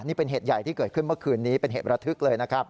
นี่เป็นเหตุใหญ่ที่เกิดขึ้นเมื่อคืนนี้เป็นเหตุระทึกเลยนะครับ